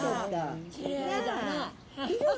きれいだな。